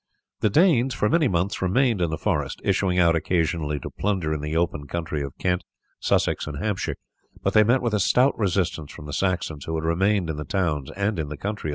The Danes for many months remained in the forest, issuing out occasionally to plunder in the open country of Kent, Sussex, and Hampshire, but they met with a stout resistance from the Saxons who had remained in the towns and country.